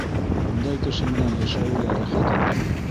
Ундай кеше менән йәшәүе лә рәхәт инде.